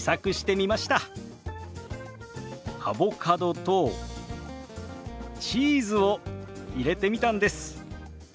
アボカドとチーズを入れてみたんです。